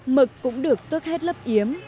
mực cũng được tước hết lớp yếm